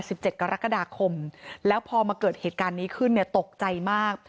สิบเจ็ดกรกฎาคมแล้วพอมาเกิดเหตุการณ์นี้ขึ้นเนี่ยตกใจมาก